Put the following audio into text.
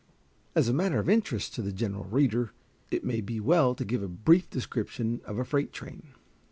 As a matter of interest to the general reader, it may be well to give a brief description of a freight train.